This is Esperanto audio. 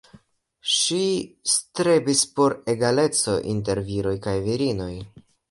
Ŝi strebis por egaleco inter viroj kaj virinoj.